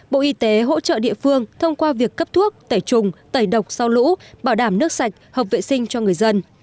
bộ y tế hỗ trợ địa phương thông qua việc cấp thuốc tẩy trùng tẩy độc sau lũ bảo đảm nước sạch hợp vệ sinh cho người dân